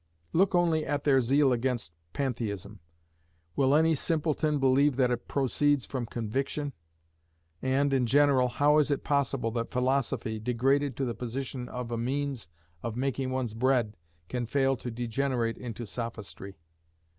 Look only at their zeal against pantheism; will any simpleton believe that it proceeds from conviction? And, in general, how is it possible that philosophy, degraded to the position of a means of making one's bread, can fail to degenerate into sophistry?